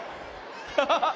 ハハハ！